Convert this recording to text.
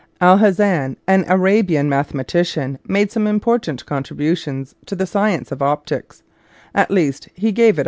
Alhazen, an Arabian mathe matician, made some important contributions to the science of optics; at least he gave it a /]